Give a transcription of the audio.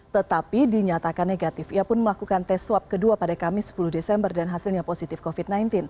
tetapi dinyatakan negatif ia pun melakukan tes swab kedua pada kamis sepuluh desember dan hasilnya positif covid sembilan belas